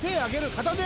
片手？